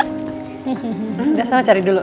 udah sama cari dulu